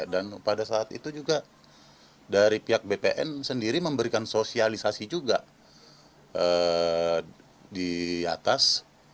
dan pada saat itu juga dari pihak bpn sendiri memberikan sosialisasi juga di atas